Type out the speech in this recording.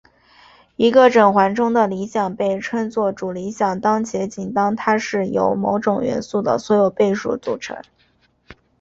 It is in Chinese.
一个整环中的理想被称作主理想当且仅当它是由某个元素的所有倍数组成。